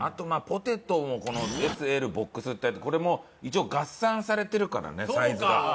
ポテトもこのＳＬＢＯＸってあってこれも一応合算されてるからねサイズが。